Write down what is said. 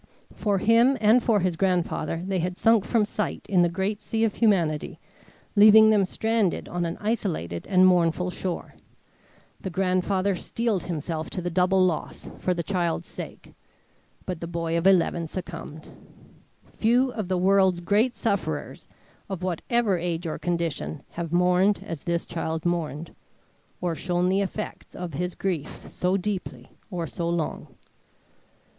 For him and for his grandfather they had sunk from sight in the great sea of humanity, leaving them stranded on an isolated and mournful shore. The grandfather steeled himself to the double loss, for the child's sake; but the boy of eleven succumbed. Few of the world's great sufferers, of whatever age or condition, have mourned as this child mourned, or shown the effects of his grief so deeply or so long.